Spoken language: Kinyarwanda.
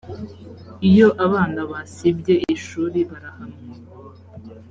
iyo abana basibye ishuri barahanwa